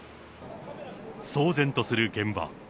騒然とする現場。